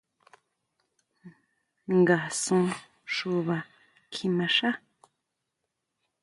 ¿Ngasun xuʼbá kjimaxá?